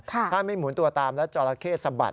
ถ้าไม่หมุนตัวตามแล้วจราเข้สะบัด